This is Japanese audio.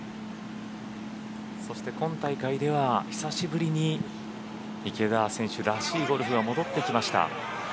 そして、今大会では久しぶりに池田選手らしいゴルフが戻ってきました。